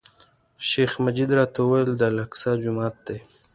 شیخ مجید راته وویل، دا الاقصی جومات دی.